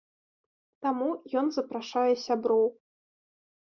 Таму ён запрашае сяброў.